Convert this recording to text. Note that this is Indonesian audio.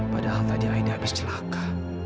padahal tadi ada habis celaka